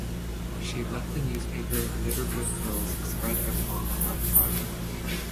She left the newspaper, littered with curls, spread upon the hearthrug.